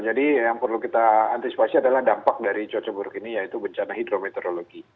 yang perlu kita antisipasi adalah dampak dari cuaca buruk ini yaitu bencana hidrometeorologi